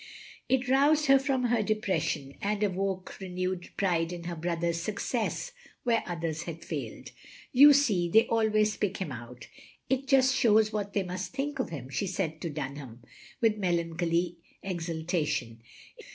It roused her from her depression, and awoke 80 THE LONELY LADY renewed pride in her brother's success where others had failed. "You see, they always pick him out. It just shows what they must think of him, " she said to Dunham, with melancholy extiltation.